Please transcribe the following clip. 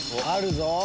あるぞ！